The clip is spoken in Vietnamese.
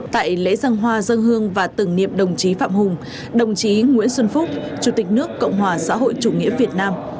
tại lễ dân hoa dân hương và tưởng niệm đồng chí phạm hùng đồng chí nguyễn xuân phúc chủ tịch nước cộng hòa xã hội chủ nghĩa việt nam